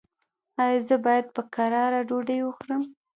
ایا زه باید په کراره ډوډۍ وخورم؟